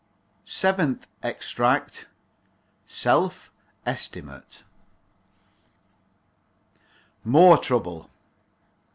SEVENTH EXTRACT SELF ESTIMATE More trouble.